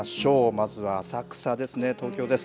まずは浅草ですね、東京です。